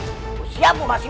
siapa yang menjaga diri